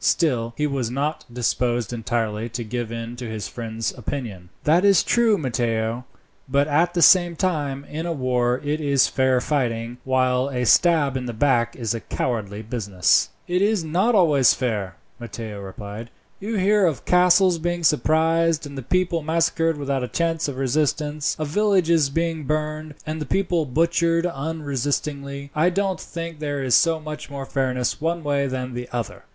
Still, he was not disposed entirely to give in to his friend's opinion. "That is true, Matteo; but at the same time, in a war it is fair fighting, while a stab in the back is a cowardly business." "It is not always fair fighting," Matteo replied. "You hear of castles being surprised, and the people massacred without a chance of resistance; of villages being burned, and the people butchered unresistingly. I don't think there is so much more fairness one way than the other.